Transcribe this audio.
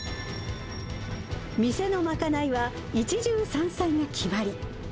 店の賄いは、一汁三菜が決まり。